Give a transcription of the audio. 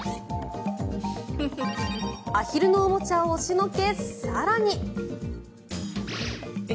アヒルのおもちゃを押しのけ更に。